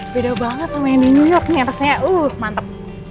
beda banget sama yang di new york nih atasnya uh mantep